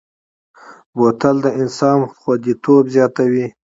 بوتل د انسان خوندیتوب زیاتوي.